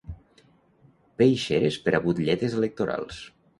Peixeres per a butlletes electorals.